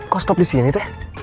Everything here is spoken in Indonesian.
kok stop disini teh